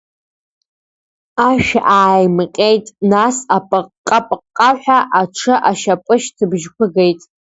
Ашә ааимҟьеит, нас, апыҟҟа-пыҟҟаҳәа аҽы ашьапышьҭыбжьқәа геит.